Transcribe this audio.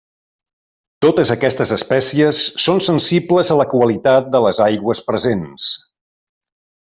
Totes aquestes espècies són sensibles a la qualitat de les aigües presents.